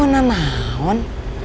oh nah nahon